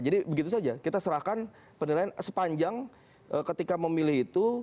jadi begitu saja kita serahkan penilaian sepanjang ketika memilih itu